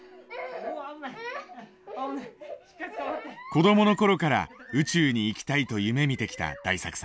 子どもの頃から宇宙に行きたいと夢みてきた大作さん。